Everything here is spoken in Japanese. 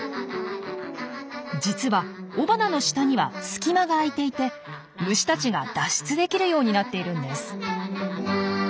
実は雄花の下には隙間が開いていて虫たちが脱出できるようになっているんです。